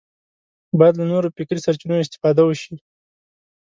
باید له نورو فکري سرچینو استفاده وشي